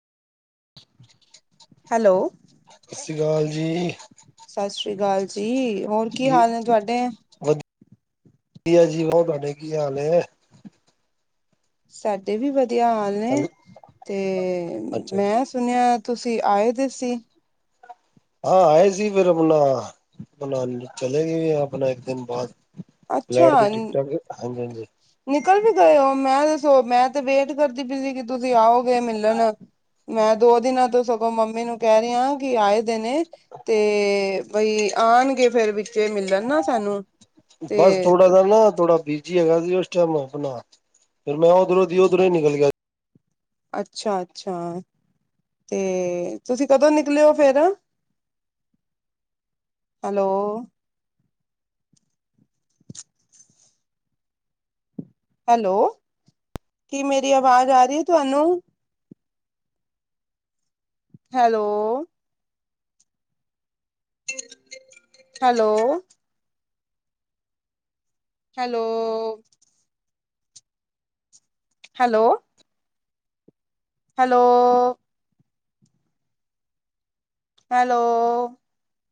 Hello ਸਤਿ ਸ਼੍ਰੀ ਅਕਾਲ ਜੀ ਸਤਿ ਸ੍ਰੀ ਅਕਾਲ ਜੀ ਹੋਰ ਕੀ ਹਾਲ ਨੇ ਤੁਹਾਡੇ ਕੀਆ ਜੀ ਹੋਰ ਤੁਹਾਡੇ ਕੀ ਹਾਲ ਐ ਸਾਡੇ ਵੀ ਵਧੀਆ ਹਾਲ ਨੇ ਤੇ ਅੱਛਾ ਜੀ ਮੈਂ ਸੁਣਿਆ ਤੁਸੀਂ ਆਏ ਦੇ ਸੀ ਹਾਂ ਆਏ ਸੀ ਫਿਰ ਆਪਣਾ ਬਣਾ ਚਲੇ ਗਏ ਵੀ ਆਪਣਾ ਇੱਕ ਦਿਨ ਬਾਅਦ ਫਲੈਟ ਦੀ ਅੱਛਾ ਟਿਕਟਾਂ ਹਾਂਜੀ ਹਾਂਜੀ ਨਿਕਲ ਵੀ ਗਏ ਹੋ ਮੈਂ ਦੱਸੋ ਮੈਂ ਤੇ ਵੇਟ ਕਰਦੀ ਪਈ ਸੀ ਕਿ ਤੁਸੀਂ ਆਓਗੇ ਮਿਲਣ ਮੈਂ ਦੋ ਦਿਨਾਂ ਤੋਂ ਸਗੋਂ ਮੰਮੀ ਨੂੰ ਕਹਿ ਰਿਹੀਹਾ ਕਿ ਆਏ ਦੇ ਨੇ ਤੇ ਬਈ ਆਣਗੇ ਫੇਿਰ ਵਿੱਚ ਮਿਲਣ ਨਾ ਸਾਨੂੰ ਤੇ ਬਸ ਥੋੜਾ ਸਾ ਨਾ ਥੋੜਾ ਬਿਜੀ ਹੈਗਾ ਸੀ ਉਸ ਟਾਈਮ ਅਪਣਾ ਫਿਰ ਮੈਂ ਉਧਰੋਂ ਦੀ ਉਧਰੋਂ ਹੀ ਨਿਕਲ ਗਿਆ ਅੱਛਾ ਅੱਛਾ ਤੇ ਤੁਸੀਂ ਕਦੋਂ ਨਿਕਲੇ ਹੋ ਫੇਰ ਹੈਲੋ ਹੈਲੋ ਕੀ ਮੇਰੀ ਆਵਾਜ਼ ਆ ਰਹੀ ਹੈ ਤੁਹਾਨੂੰ hello hello hello hello hello hello!